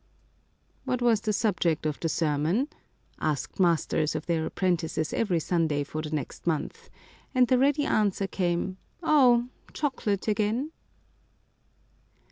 " What was the subject of the sermon ?" asked masters of their apprentices every Sunday for the next month, and the ready answer came, " Oh ! chocolate again